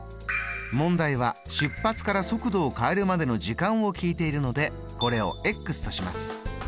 問題は出発から速度を変えるまでの時間を聞いているのでこれをとします。